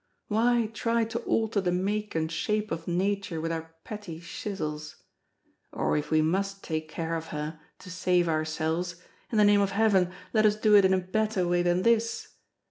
Why try to alter the make and shape of Nature with our petty chisels? Or, if we must take care of her, to save ourselves, in the name of Heaven let us do it in a better way than this!